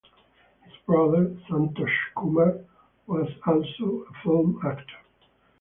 His brother, Santosh Kumar, was also a film actor.